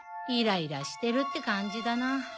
イライラしてるって感じだな。